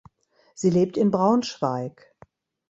Sie lebt in Braunschweig.